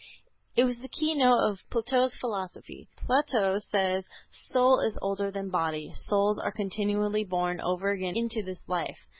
It was the keynote of Plato's philosophy. Plato says: "Soul is older than body. Souls are continually born over again into this life."